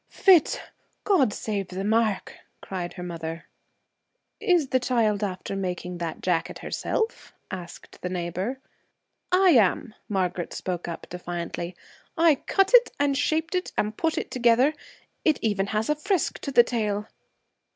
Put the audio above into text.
'Fit! God save the mark!' cried her mother. 'Is the child after making that jacket herself?' asked the neighbor. 'I am,' Margaret spoke up, defiantly. 'I cut it and shaped it and put it together. It has even a frisk to the tail.'